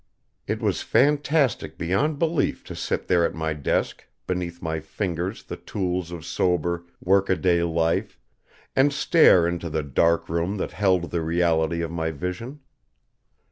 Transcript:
It was fantastic beyond belief to sit there at my desk, beneath my fingers the tools of sober, workaday life, and stare into the dark room that held the reality of my vision.